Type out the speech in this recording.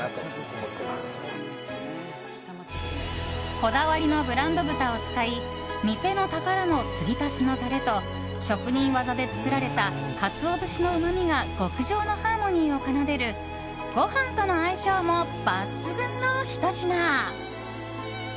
こだわりのブランド豚を使い店の宝の継ぎ足しのタレと職人技で作られたカツオ節のうまみが極上のハーモニーを奏でるご飯との相性も抜群のひと品。